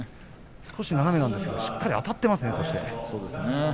少し斜めでしたがしっかりあたっていますね。